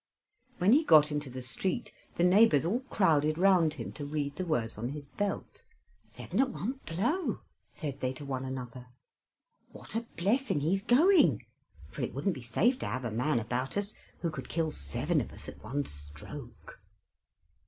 When he got into the street the neighbors all crowded round him to read the words on his belt. "Seven at one blow!" said they to one another. "What a blessing he's going; for it wouldn't be safe to have a man about us who could kill seven of us at one stroke."